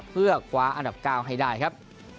เพื่อคว้าอันดับ๙ให้ได้ครับ